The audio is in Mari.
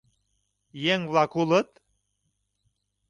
— Еҥ-влак улыт!